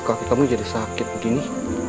kaki kamu jadi sakit begini